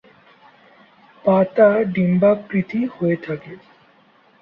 পাতা ডিম্বাকৃতির হয়ে থাকে।